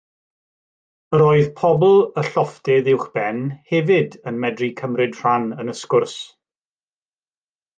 Yr oedd pobl y llofftydd uwchben, hefyd, yn medru cymryd rhan yn y sgwrs.